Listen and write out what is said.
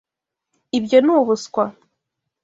Ibyo ni ubuswa.